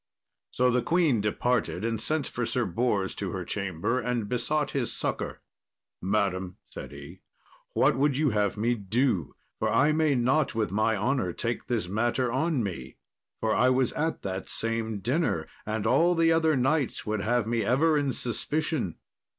So the queen departed and sent for Sir Bors to her chamber, and besought his succour. "Madam," said he, "what would you have me do? for I may not with my honour take this matter on me, for I was at that same dinner, and all the other knights would have me ever in suspicion.